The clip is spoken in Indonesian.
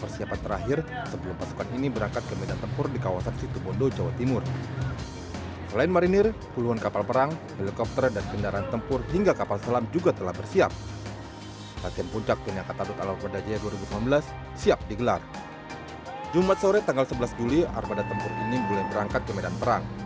sehingga armada tempur ini boleh berangkat ke medan perang